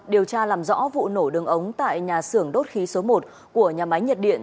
điều tra làm rõ vụ nổ đường ống tại nhà xưởng đốt khí số một của nhà máy nhiệt điện